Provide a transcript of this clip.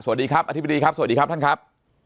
สวัสดีครับอธิบดีครับสวัสดีครับท่านครับ